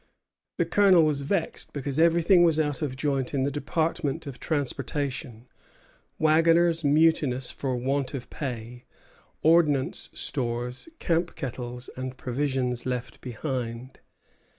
The Colonel was vexed because everything was out of joint in the department of transportation: wagoners mutinous for want of pay; ordnance stores, camp kettles, and provisions left behind.